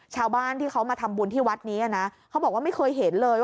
ชาวบ้านที่เขามาทำบุญที่วัดนี้นะเขาบอกว่าไม่เคยเห็นเลย